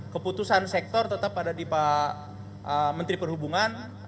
keputusan sektor tetap ada di pak menteri perhubungan